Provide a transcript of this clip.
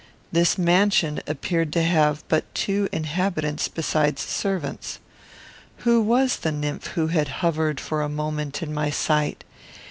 This mansion appeared to have but two inhabitants besides servants. Who was the nymph who had hovered for a moment in my sight?